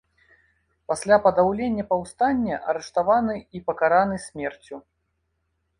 Пасля падаўлення паўстання арыштаваны і пакараны смерцю.